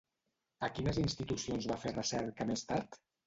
A quines institucions va fer recerca més tard?